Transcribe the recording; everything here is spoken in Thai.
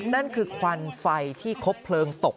นั่นคือควันไฟที่ครบเพลิงตก